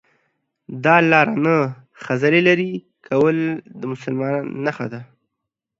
دا لار نه خځلي لري کول د مسلمان نښانه ده